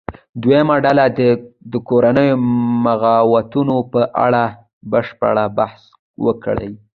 دویمه ډله دې د کورنیو بغاوتونو په اړه بشپړ بحث وکړي.